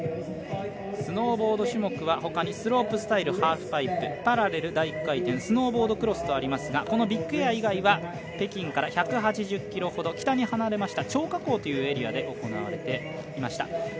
スノーボード種目はほかにスロープスタイルハーフパイプ、パラレル大回転スノーボードクロスとありますがビッグエア以外は北京から１８０ｋｍほど北に離れました張家口というエリアで行われていました。